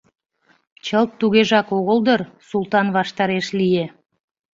— Чылт тугежак огыл дыр, — Султан ваштареш лие.